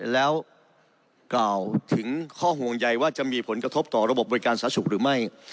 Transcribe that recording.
แล้วกล่าวถึงข้อห่วงใยว่าจะมีผลกระทบต่อระบบบริการสาธารณสุขหรือไม่